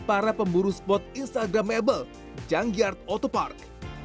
para pemburu spot instagramable junggiart auto park